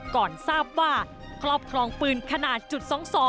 ก่อนทราบว่าครอบครองปืนขนาดจุด๒๒